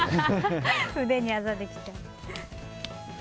腕にあざできちゃう。